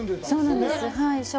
そうなんです、はい。